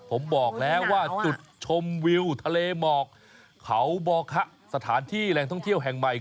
ผมบอกแล้วว่าจุดชมวิวทะเลหมอกเขาบอคะสถานที่แหล่งท่องเที่ยวแห่งใหม่